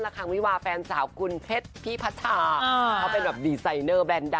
ละครวี่วาแฟนสาวกุลเทศพี่พระสาท็อกไปรอบดีไซเนอร์แบรนด์